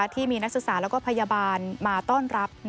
ที่มีนักศึกษาและพยาบาลมาต้อนรับ